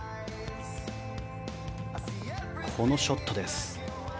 このショットです。